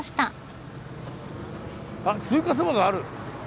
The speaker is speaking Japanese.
あ中華そばがある。